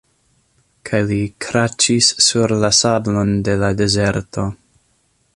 Kaj li kraĉis sur la sablon de la dezerto.